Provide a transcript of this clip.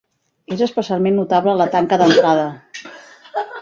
És especialment notable la tanca d'entrada.